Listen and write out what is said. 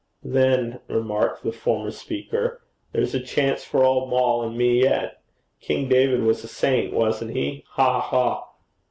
'Then,' remarked the former speaker, 'there's a chance for old Moll and me yet. King David was a saint, wasn't he? Ha! ha!'